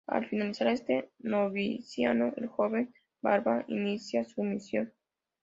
Al finalizar este noviciado, el joven Barba inicia su misión.